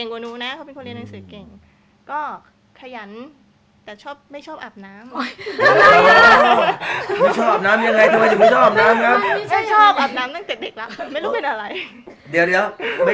คือขอนั่นแหละ